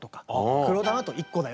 黒玉だと１個だよとか。